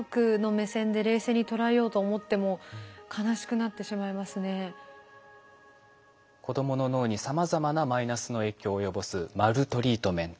やっぱりどうしても子どもの脳にさまざまなマイナスの影響を及ぼすマルトリートメント。